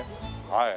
はい。